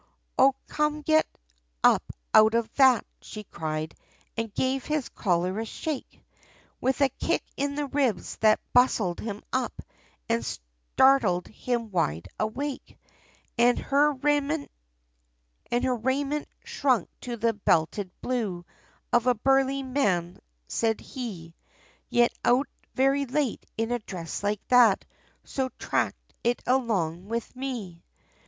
"O come get up out of that!" she cried, And gave his collar a shake, With a kick in the ribs, that bustled him up, And startled him wide awake! And her raiment shrunk to the belted blue, Of a burly man, said he, "Yer out very late, in a dress like that, So track it along with me."